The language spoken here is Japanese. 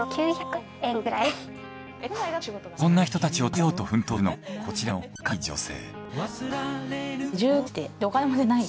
そんな人たちを助けようと奮闘するのがこちらの若い女性。